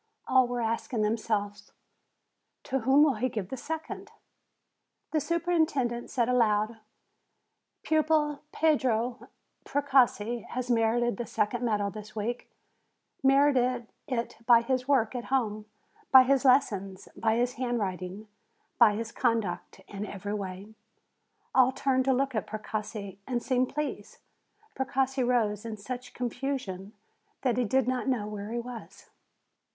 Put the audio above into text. All were asking themselves, "To whom will he give the second?" The superintendent said aloud: "Pupil Pietro Precossi has merited the second medal this week, merited it by his work at home, by his lessons, by his handwriting, by his conduct in every way." All turned to look at Precossi, and seemed pleased. Precossi rose in such confusion that he did not know where he was.